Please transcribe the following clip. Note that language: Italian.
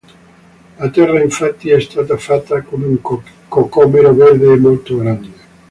La Terra infatti è stata fatta come un cocomero verde e molto grande.